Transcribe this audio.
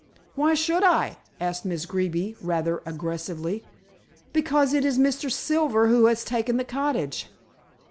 "Why should I?" asked Miss Greeby, rather aggressively. "Because it is Mr. Silver who has taken the cottage."